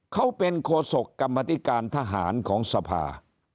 เขาเป็นโคศกกรรมธิการทหารของสภา